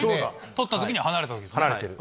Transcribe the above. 取った時には離れた時。